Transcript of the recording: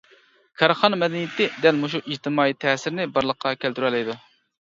كارخانا مەدەنىيىتى دەل مۇشۇ ئىجتىمائىي تەسىرنى بارلىققا كەلتۈرەلەيدۇ.